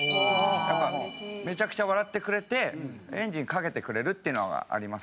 やっぱめちゃくちゃ笑ってくれてエンジンかけてくれるっていうのがありますね。